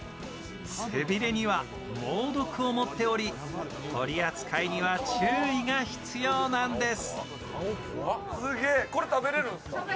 背びれには猛毒を持っており取り扱いには注意が必要なんです。